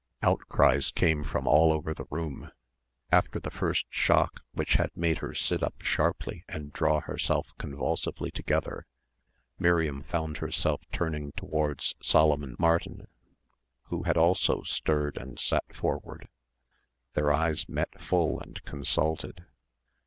Outcries came from all over the room. After the first shock which had made her sit up sharply and draw herself convulsively together, Miriam found herself turning towards Solomon Martin who had also stirred and sat forward. Their eyes met full and consulted.